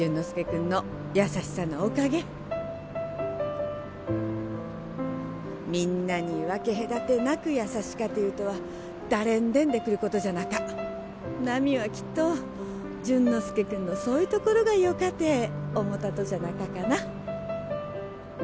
介君の優しさのおかげみんなに分け隔てなく優しかというとは誰んでんできることじゃなか奈未はきっと潤之介君のそういうところがよかて思ったとじゃなかかな